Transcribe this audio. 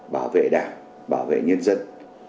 bảo vệ đảng bảo vệ nhân dân